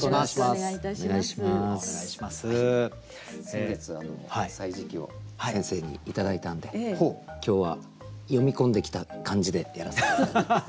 先月「歳時記」を先生に頂いたんで今日は読み込んできた感じでやらせて頂きます。